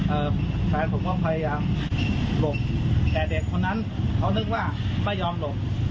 แฟนผมก็พยายามหลบแต่เด็กคนนั้นเขานึกว่าไม่ยอมหลบ